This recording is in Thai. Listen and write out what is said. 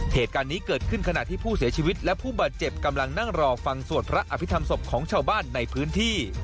เหตุการณ์นี้เกิดขึ้นขณะที่ผู้เสียชีวิตและผู้บาดเจ็บกำลังนั่งรอฟังสวดพระอภิษฐรรมศพของชาวบ้านในพื้นที่